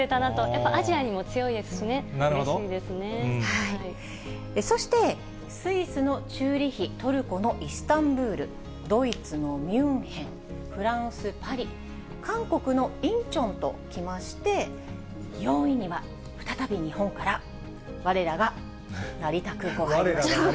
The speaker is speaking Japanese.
やっぱアジアにも強いですしね、そして、スイスのチューリヒ、トルコのイスタンブール、ドイツのミュンヘン、フランス・パリ、韓国のインチョンときまして、４位には再び日本から、われらがわれらが成田空港。